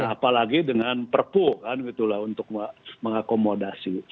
apalagi dengan perpu kan gitu lah untuk mengakomodasi